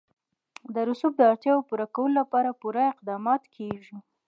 د رسوب د اړتیاوو پوره کولو لپاره پوره اقدامات کېږي.